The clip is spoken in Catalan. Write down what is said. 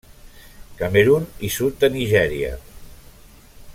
Camerun i sud de Nigèria.